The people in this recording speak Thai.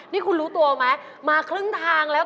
นี่คุณรู้ตัวไหมมาครึ่งทางแล้ว